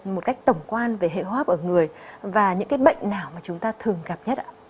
một cách tổng quan về hệ hô hấp ở người và những cái bệnh nào mà chúng ta thường gặp nhất ạ